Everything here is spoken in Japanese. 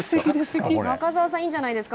中澤さん、いいんじゃないですか